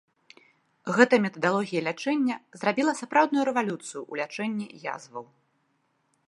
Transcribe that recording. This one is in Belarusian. Гэта метадалогія лячэння зрабіла сапраўдную рэвалюцыю ў лячэнні язваў.